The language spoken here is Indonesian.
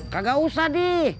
kagak usah di